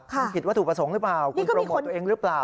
คุณผิดวัตถุประสงค์หรือเปล่าคุณโปรโมทตัวเองหรือเปล่า